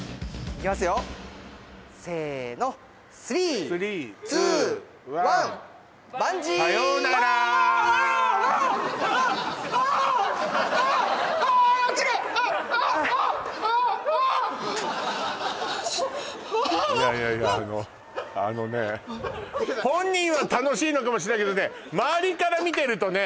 いやいやいやあのね本人は楽しいのかもしれないけどね周りから見てるとね